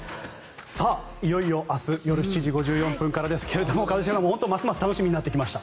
さあ、いよいよ明日夜７時５４分からですが一茂さん、ますます楽しみになってきました。